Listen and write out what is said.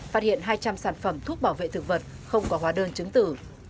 phát hiện hai trăm linh sản phẩm thuốc bảo vệ thực vật không có hóa đơn chứng tử